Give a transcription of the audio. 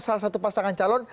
salah satu pasangan calon